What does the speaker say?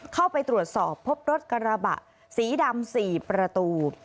เข้าไปตรวจสอบพบรถกระบะสีดำ๔ประตู